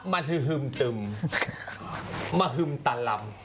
มันคือฮึมตึมมาฮึมตาลำ